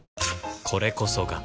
これこそが